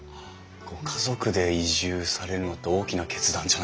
ご家族で移住されるのって大きな決断じゃないですか？